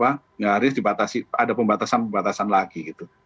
nyaris dibatasi ada pembatasan pembatasan lagi gitu